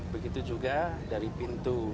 begitu juga dari pintu